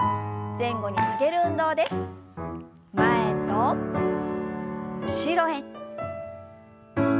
前と後ろへ。